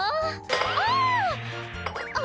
ああ！